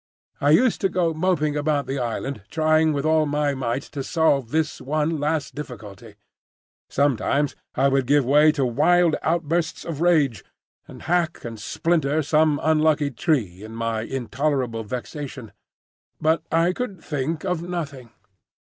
I used to go moping about the island trying with all my might to solve this one last difficulty. Sometimes I would give way to wild outbursts of rage, and hack and splinter some unlucky tree in my intolerable vexation. But I could think of nothing.